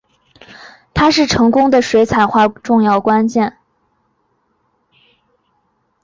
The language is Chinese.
它是成功的水彩画重要关键。